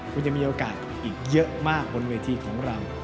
คุณจะมีโอกาสอีกเยอะมากบนเวทีของเรา